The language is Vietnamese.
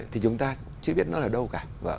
thì chúng ta chứ biết nó ở đâu cả